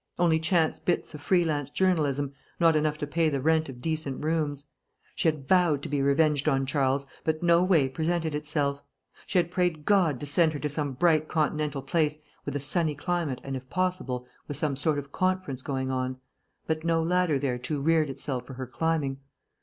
Only chance bits of freelance journalism, not enough to pay the rent of decent rooms. She had vowed to be revenged on Charles, but no way presented itself. She had prayed God to send her to some bright continental place with a sunny climate and if possible with some sort of conference going on, but no ladder thereto reared itself for her climbing.